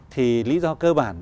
thì lý do cơ bản